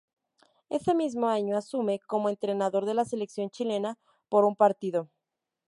Ese mismo año asume como entrenador de la selección chilena por un partido.